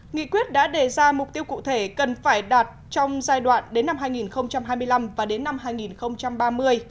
nghị quyết đã đề ra mục tiêu cụ thể cần phải đạt trong giai đoạn đến năm hai nghìn hai mươi năm và đến năm hai nghìn ba mươi